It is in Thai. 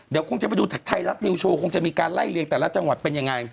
เดี๋ยวคงจะไปดูไทยรัฐนิวโชว์คงจะมีการไล่เรียงแต่ละจังหวัดเป็นยังไง